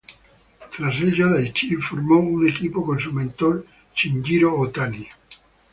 Tras ello, Daichi formó un equipo con su mentor Shinjiro Otani.